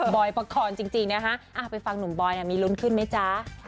บอยปกครรภ์จริงนะฮะไปฟังหนุ่มบอยน่ะมีลุ้นขึ้นไหมจ๊ะ